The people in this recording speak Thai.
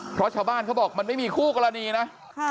เพราะชาวบ้านเขาบอกมันไม่มีคู่กรณีนะ